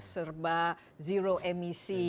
serba zero emisi